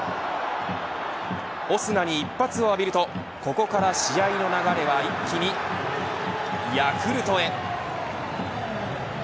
オスナに一発を浴びるとここから試合の流れは一気にヤクルトへ。